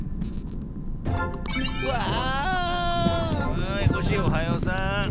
はいコッシーおはようさん。